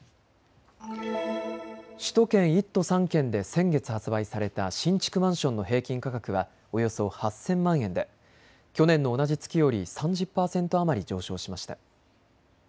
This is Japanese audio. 首都圏１都３県で先月発売された新築マンションの平均価格はおよそ８０００万円で去年の同じ月より３０％余り上昇しました。